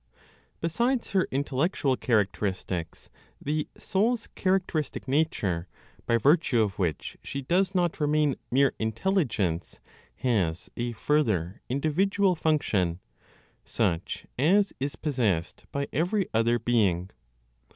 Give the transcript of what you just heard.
Besides her intellectual characteristics, the soul's characteristic nature, by virtue of which she does not remain mere intelligence, has a further individual function, such as is possessed by every other being.